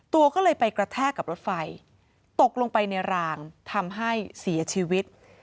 ตัวก็เลยไปกระแทกกับรถไฟตกลงไปในรางทำให้เสียชีวิต